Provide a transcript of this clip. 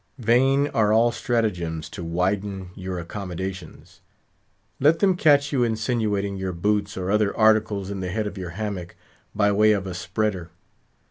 Vain are all stratagems to widen your accommodations. Let them catch you insinuating your boots or other articles in the head of your hammock, by way of a "spreader."